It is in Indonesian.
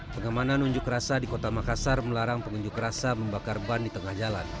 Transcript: pengamanan unjuk rasa di kota makassar melarang pengunjuk rasa membakar ban di tengah jalan